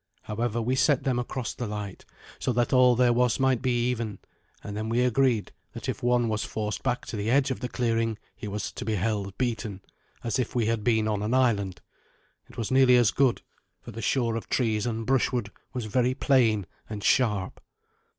However, we set them across the light, so that all there was might be even; and then we agreed that if one was forced back to the edge of the clearing he was to be held beaten, as if we had been on an island. It was nearly as good, for the shore of trees and brushwood was very plain and sharp.